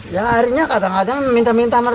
baur gitu mas